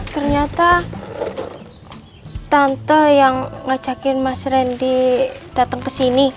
ternyata tante yang ngajakin mas randy datang kesini